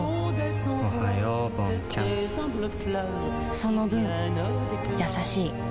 その分優しい